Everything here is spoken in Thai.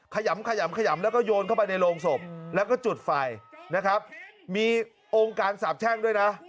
ขยำขยำขยำแล้วก็โยนเข้าไปในโรงศพแล้วก็จุดไฟนะครับมีองค์การสาบแช่งด้วยนะ